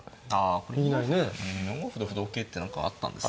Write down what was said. あ４五歩同歩同桂って何かあったんですか。